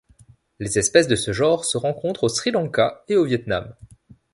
Les espèces de ce genre se rencontrent au Sri Lanka et au Viêt Nam.